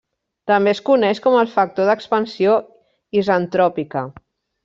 També es coneix com el factor d'expansió isentròpica.